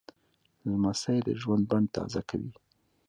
لمسی د ژوند بڼ تازه کوي.